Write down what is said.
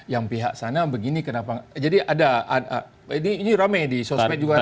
yang pihak sana begini kenapa jadi ada ini rame di sosmed juga ada